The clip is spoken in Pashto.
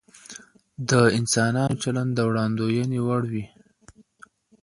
د انسانانو چلند د وړاندوينې وړ وي.